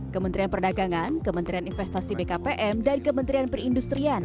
kementerian perdagangan kementerian investasi bkpm dan kementerian perindustrian